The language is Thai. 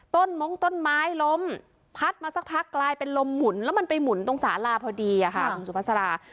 มงต้นไม้ล้มพัดมาสักพักกลายเป็นลมหมุนแล้วมันไปหมุนตรงสาราพอดีค่ะคุณสุภาษา